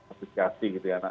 aplikasi gitu ya